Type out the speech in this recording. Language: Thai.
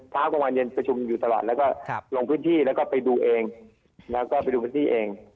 ประชุมอยู่ตลอดแล้วก็ลงพื้นที่แล้วก็ไปดูเอง